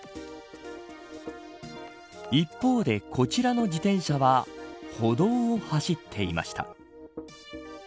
一方で、こちらの自転車は歩道を走っていました。